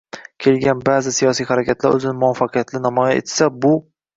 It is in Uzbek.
kelgan ba’zi siyosiy harakatlar o‘zini muvaffaqiyatli namoyon etsa, bu